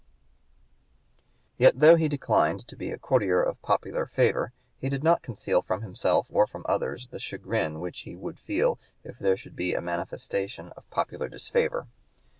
Yet though he declined to be a courtier of popular favor he did not conceal from himself or from others the chagrin which he would feel if there should be a manifestation of popular disfavor.